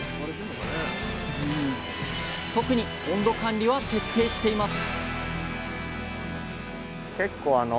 特に温度管理は徹底しています